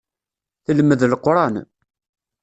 Telmed Leqran.